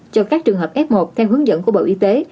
cho các trường hợp f một theo hướng dẫn của bộ y tế